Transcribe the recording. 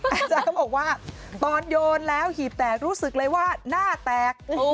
อาจารย์ก็บอกว่าตอนโยนแล้วหีบแตกรู้สึกเลยว่าหน้าแตก